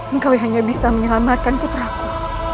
engkau hanya bisa menyelamatkan putraku